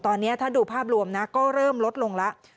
ตอนนี้ถ้าดูภาพรวมนะก็เริ่มลดลงแล้ว